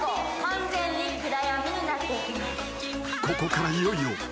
［ここからいよいよ］